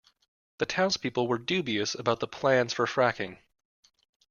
The townspeople were dubious about the plans for fracking